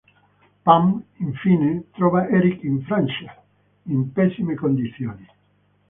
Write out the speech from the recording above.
Pam, infine, trova Eric in Francia in pessime condizioni.